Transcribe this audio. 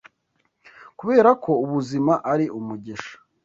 Kuberako ubuzima ari umugisha